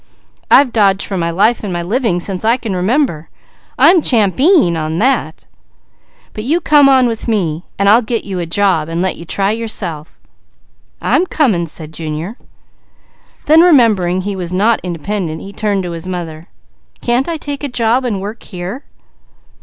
I've dodged for my life and my living since I can remember. I'm champeen on that. But you come on with me, and I'll get you a job and let you try yourself." "I'm coming," said Junior. Then remembering he was not independent he turned to his mother. "Can't I take a job and work here?"